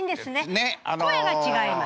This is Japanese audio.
声が違います。